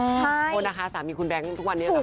โทษนะคะสามีคุณแบงค์ทุกวันนี้เหรอ